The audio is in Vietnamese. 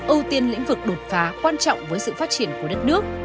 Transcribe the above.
ưu tiên lĩnh vực đột phá quan trọng với sự phát triển của đất nước